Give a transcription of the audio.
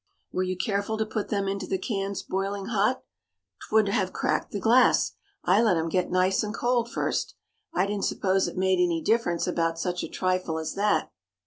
"Were you careful to put them into the cans boiling hot?" "'Twould have cracked the glass! I let 'em get nice and cold first. I didn't suppose it made any difference about such a trifle as that!"